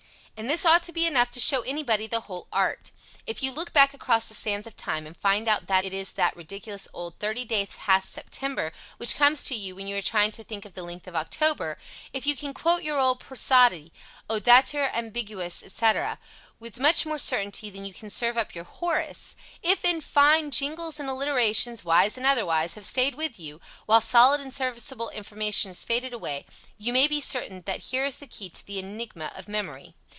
And this ought to be enough to show anybody the whole art. If you look back across the sands of time and find out that it is that ridiculous old "Thirty days hath September" which comes to you when you are trying to think of the length of October if you can quote your old prosody, "O datur ambiguis," etc., with much more certainty than you can serve up your Horace; if, in fine, jingles and alliterations, wise and otherwise, have stayed with you, while solid and serviceable information has faded away, you may be certain that here is the key to the enigma of memory.